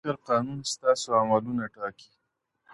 د عقل او فکر قانون ستاسو عملونه ټاکي.